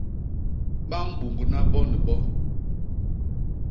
Ba mbuñgna bo ni bo.